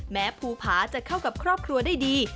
ภูผาจะเข้ากับครอบครัวได้ดี